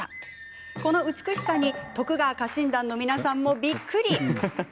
この美しさに徳川家臣団の皆さんもびっくり。